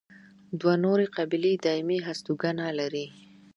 دوه نورې قبیلې دایمي هستوګنه لري.